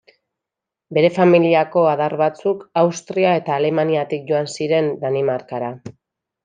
Bere familiako adar batzuk Austria eta Alemaniatik joan ziren Danimarkara.